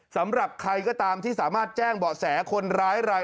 สำหรับใครก็ตามที่สามารถแจ้งเบาะแสคนร้ายราย